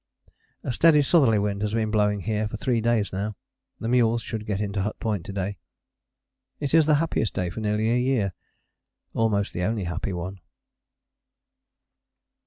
A steady southerly wind has been blowing here for three days now. The mules should get into Hut Point to day. It is the happiest day for nearly a year almost the only happy one.